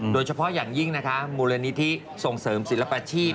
โดยเฉพาะอย่างยิ่งนะคะมูลนิธิส่งเสริมศิลปชีพ